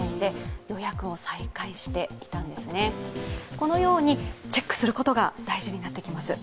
このようにチェックすることが大事になってきます。